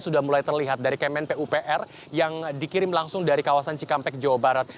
sudah mulai terlihat dari kemen pupr yang dikirim langsung dari kawasan cikampek jawa barat